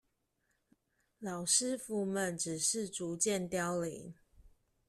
老師傅們只是逐漸凋零